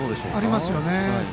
ありますよね。